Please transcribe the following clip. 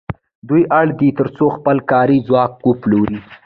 دوی اړ دي تر څو خپل کاري ځواک وپلوري